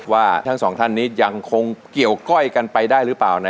ว่าสองท่านอีกยังคงเกี่ยวก้อยกันไปได้รึเปล่า